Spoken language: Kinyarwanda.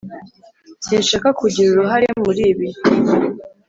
sinshaka kugira uruhare muri ibi.